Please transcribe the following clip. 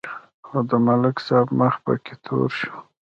خو د ملک صاحب مخ پکې تور شو.